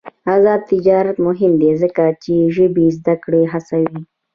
آزاد تجارت مهم دی ځکه چې ژبې زدکړه هڅوي.